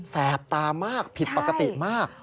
แบมากผิดปกติมาก